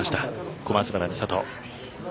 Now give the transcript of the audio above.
小松原美里。